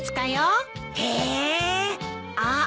へえあっ！